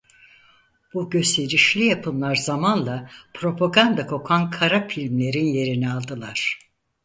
Bu gösterişli yapımlar zamanla propaganda kokan kara filmlerin yerini aldılar.